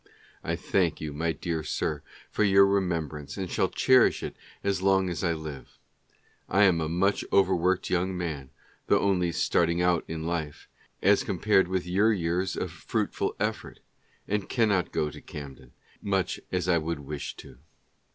I thank you, my dear sir, for your remembrance,, and shall cherish it as long as I live. I am a much overworked young man (though only " start ing out in life," as compared with your years of fruitful effort), and cannot go to Camden, much as I would wish to.